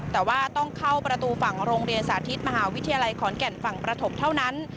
แต่ว่าต้องเข้าประตูฝั่งโรงเรียนสาธิตมหาวิทยาลัยขอนแก่นฝั่งประถมเท่านั้น